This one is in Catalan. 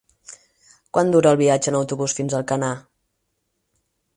Quant dura el viatge en autobús fins a Alcanar?